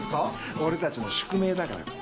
俺たちの宿命だから。